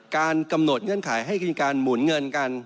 การกำหนดเงื่อนไขให้มีการหมุนเงินกัน